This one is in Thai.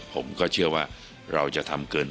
ผมก็เชื่อว่าเราจะทำเกิน